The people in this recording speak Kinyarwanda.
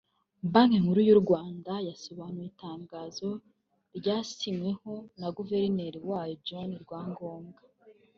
Banki Nkuru y’u Rwanda yasohoye itangazo ryasinyweho na Guverineri wayo John Rwangombwa